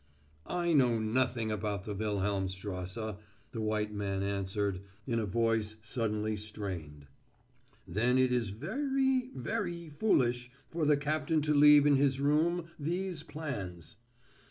"I know nothing about the Wilhelmstrasse," the white man answered, in a voice suddenly strained. "Then it is veree, veree foolish for the captain to leave in his room these plans."